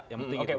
yang penting itu